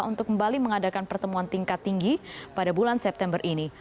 untuk kembali mengadakan pertemuan tingkat tinggi pada bulan september ini